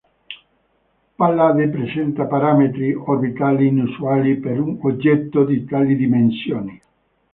Pallade presenta parametri orbitali inusuali per un oggetto di tali dimensioni.